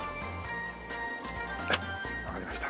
わかりました。